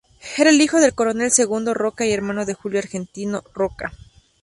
Era el hijo del Coronel Segundo Roca y hermano de Julio Argentino Roca.